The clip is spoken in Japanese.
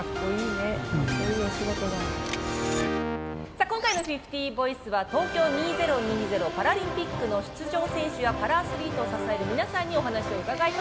さあ今回の「５０ボイス」は東京２０２０パラリンピックの出場選手やパラアスリートを支える皆さんにお話を伺いました！